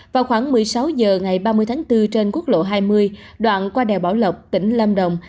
vào khoảng một mươi sáu h ngày ba mươi tháng bốn trên quốc lộ hai mươi đoạn qua đèo bảo lộc tỉnh lâm đồng